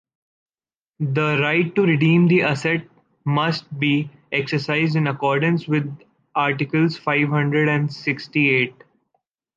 The right to redeem the asset must be exercised in accordance with articles five hundred and sixty-eight.